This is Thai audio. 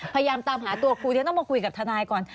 พยายามตามหาตัวครูเดี๋ยวต้องมาคุยกับทนายก่อน